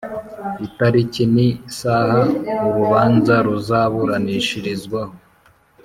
itariki n isaha urubanza ruzaburanishirizwaho